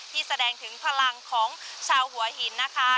แสดงถึงพลังของชาวหัวหินนะคะ